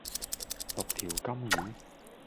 六條金魚